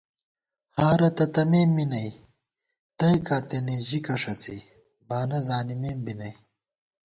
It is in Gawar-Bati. ہارہ تہ تمېم می نئ، تئیکا تېنے ژِکہ ݭڅی بانہ زانِمېم بی نئ